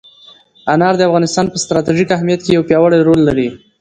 انار د افغانستان په ستراتیژیک اهمیت کې یو پیاوړی رول لري.